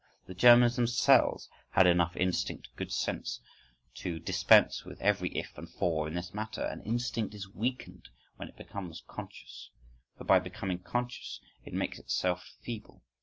—The Germans themselves had enough instinctive good sense to dispense with every "if" and "for" in this matter. An instinct is weakened when it becomes conscious: for by becoming conscious it makes itself feeble.